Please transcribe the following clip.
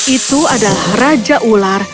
itu adalah raja ular